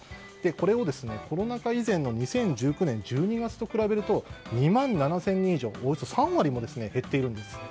これをコロナ禍前の２０１９年１２月と比べると２万７０００人以上およそ３割も減っています。